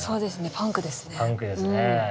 パンクですね。